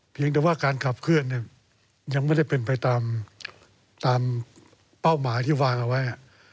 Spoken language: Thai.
เพียงแต่ว่าการขับเคลื่อนยังไม่ได้เป็นไปตามเป้าหมายที่วางเอาไว้